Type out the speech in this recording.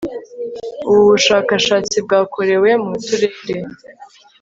ubu bushakashatsi bwakorewe mu turere